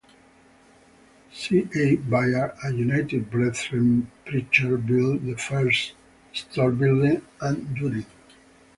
Z. H. Byard, a United Brethren preacher built the first store building and dwelling.